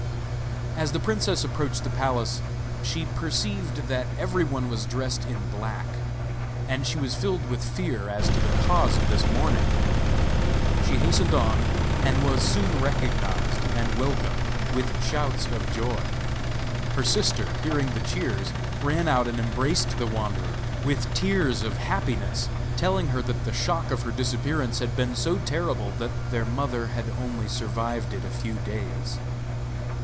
As the princess approached the palace she perceived that everyone was dressed in black, and she was filled with fear as to the cause of this mourning. She hastened on and was soon recognised and welcomed with shouts of joy. Her sister hearing the cheers ran out and embraced the wanderer, with tears of happiness, telling her that the shock of her disappearance had been so terrible that their mother had only survived it a few days.